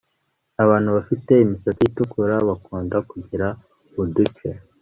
Abantu bafite imisatsi itukura bakunda kugira uduce